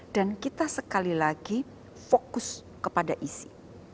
dan kita sekali lagi fokus kepada isi